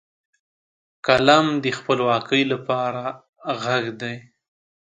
قلم د خپلواکۍ لپاره غږ دی